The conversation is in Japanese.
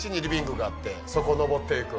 そこのぼっていく？